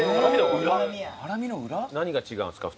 何が違うんですか？